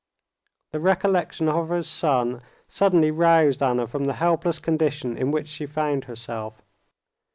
The recollection of her son suddenly roused Anna from the helpless condition in which she found herself.